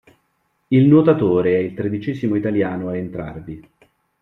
Il nuotatore è il tredicesimo italiano a entrarvi.